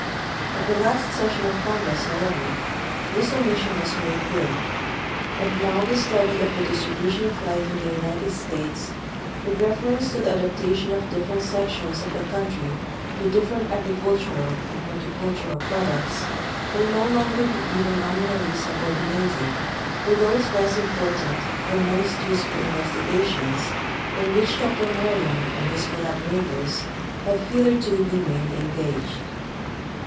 At the last session of Congress, however, this omission was made good, and now the study of the distribution of life in the United States with refer ence to the adaptation of different sections of the country to different agricultural and horticultural products will no longer be even nominall}^ subordinated to those less ini])ortant though most useful investigations in which Dr Merriam and his collabo rators have hitherto been mainly engaged.